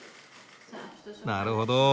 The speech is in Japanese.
なるほど。